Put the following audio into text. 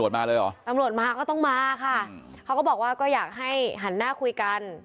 ตอนนี้ตำรวจมาเลยหรอ